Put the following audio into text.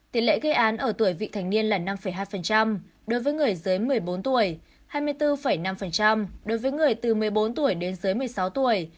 tỷ lệ gây án ở tuổi vị thành niên là năm hai đối với người dưới một mươi bốn tuổi hai mươi bốn năm đối với người từ một mươi bốn tuổi đến dưới một mươi sáu tuổi